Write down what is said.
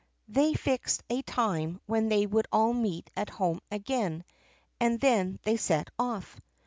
They fixed a time when they would all meet at home again, and then they set off.